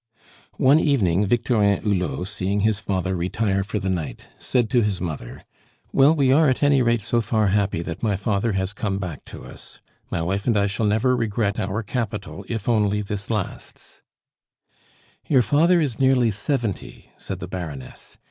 One evening Victorin Hulot, seeing his father retire for the night, said to his mother: "Well, we are at any rate so far happy that my father has come back to us. My wife and I shall never regret our capital if only this lasts " "Your father is nearly seventy," said the Baroness.